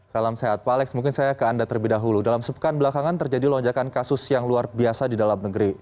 salam sehat pak alex mungkin saya ke anda terlebih dahulu dalam sepekan belakangan terjadi lonjakan kasus yang luar biasa di dalam negeri